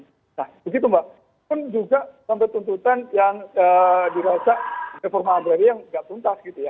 nah begitu mbak pun juga sampai tuntutan yang dirasa reforma agraria nggak tuntas gitu ya